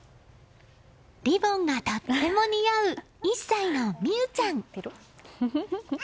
リボンがとっても似合う１歳の美羽ちゃん。